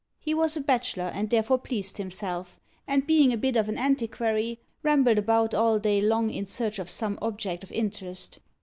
He was a bachelor, and therefore pleased himself; and being a bit of an antiquary, rambled about all day long in search of some object of interest.